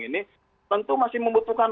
ini tentu masih membutuhkan